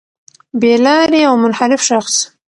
بې لاري او منحرف شخص